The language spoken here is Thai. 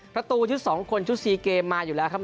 ประตูชุด๒คนชุด๔เกมมาอยู่แล้วครับ